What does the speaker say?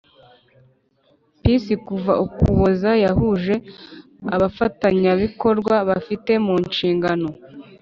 Peace kuwa Ukuboza yahuje abafatanyabikorwa bafite mu nshingano